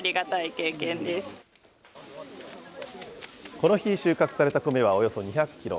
この日収穫された米はおよそ２００キロ。